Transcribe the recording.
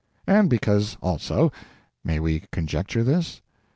And because, also may we conjecture this?